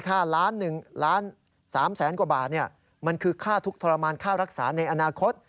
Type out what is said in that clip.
ไข่๑๑๓๐๐๐๐๐บาทนี่มันคือค่าทุกข์ทรมานค่ารักษาในอนาคต